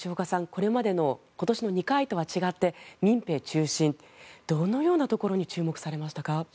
これまでの今年の２回とは違って民兵中心、どのようなところに注目されましたか？